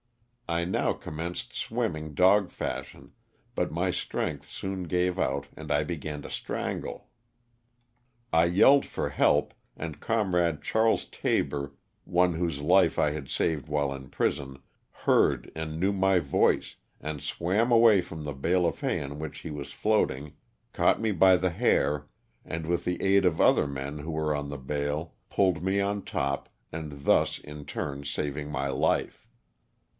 I now commenced swimming dog fashion,' but my strength soon gave out and I began to strangle. I 342 LOSS OF THE SULTAKA. yelled for help, and comrade Charles Taber, one whose life I had saved while in prison, heard and knew my voice, and swam away from the bale of hay on which he was floating, caught me by the hair and with the aid of the other men who were on the bale, pulled me on top, and thus in turn saving my life.